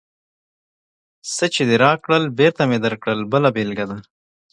څه چې دې راکړل، بېرته مې درکړل بله بېلګه ده.